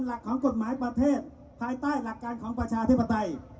หลักของกฎหมายประเทศภายใต้หลักการของประชาธิปไตย